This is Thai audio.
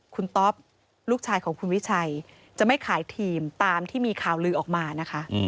คุณต๊อปลูกชายของคุณวิชัยจะไม่ขายทีมตามที่มีข่าวลือออกมานะคะ